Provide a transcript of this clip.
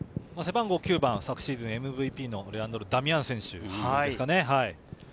背番号９番、昨シーズンＭＶＰのレアンドロ・ダミアン選手ですかね。